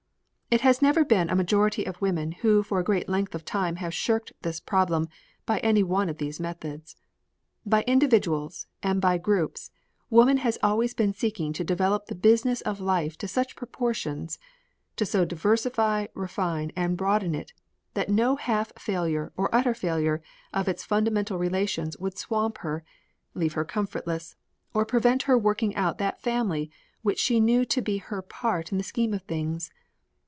It has never been a majority of women who for a great length of time have shirked this problem by any one of these methods. By individuals and by groups woman has always been seeking to develop the business of life to such proportions, to so diversify, refine, and broaden it that no half failure or utter failure of its fundamental relations would swamp her, leave her comfortless, or prevent her working out that family which she knew to be her part in the scheme of things.